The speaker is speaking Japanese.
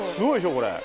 これ。